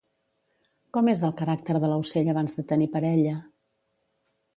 Com és el caràcter de l'aucell abans de tenir parella?